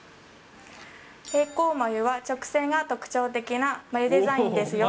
平行眉は直線が特徴的な眉デザインですよ。